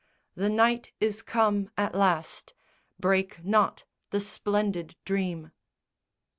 The night is come at last. Break not the splendid dream.